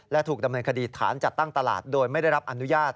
และถูกดำเนินคดีฐานจัดตั้งตลาดโดยไม่ได้รับอนุญาต